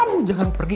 kamu jangan pergi